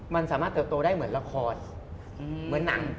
มันสามารถเติบโตได้เหมือนละครเหมือนหนัง